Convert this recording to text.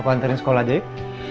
aku anterin sekolah aja yuk